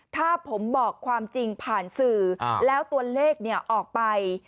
ถ้าผมบอกความจริงผ่านสื่อแล้วตัวเลขออกไป